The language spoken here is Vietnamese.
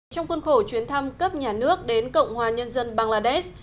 trong khuôn khổ chuyến thăm cấp nhà nước đến cộng hòa nhân dân bangladesh